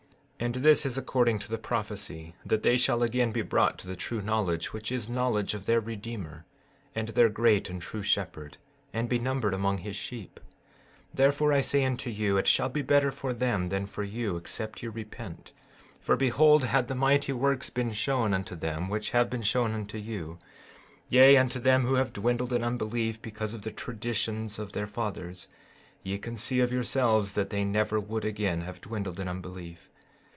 15:13 And this is according to the prophecy, that they shall again be brought to the true knowledge, which is knowledge of their Redeemer, and their great and true shepherd, and be numbered among his sheep. 15:14 Therefore I say unto you, it shall be better for them than for you except ye repent. 15:15 For behold, had the mighty works been shown unto them which have been shown unto you, yea, unto them who have dwindled in unbelief because of the traditions of their fathers, ye can see of yourselves that they never would again have dwindled in unbelief.